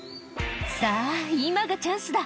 さあ、今がチャンスだ。